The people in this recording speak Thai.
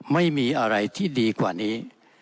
ไม่มีอะไรที่ดีกว่านี้